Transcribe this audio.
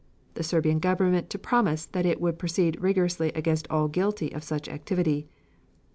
The Serbian Government to promise that it would proceed rigorously against all guilty of such activity.